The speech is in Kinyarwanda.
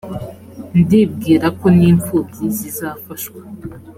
ndibwira ko n’imfubyi zizafashwa